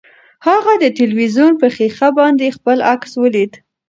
هغې د تلویزیون په ښیښه باندې خپل عکس ولید.